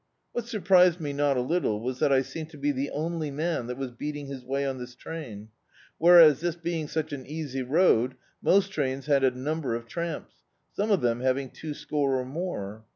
What surprised me not a little was that I seemed to be the only man that was beating his way on this train, whereas, this be ing such an easy road, most trains had a number of tramps, some of them having two score or more.